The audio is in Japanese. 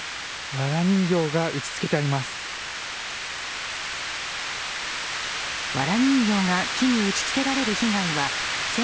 わら人形が打ち付けられてあります。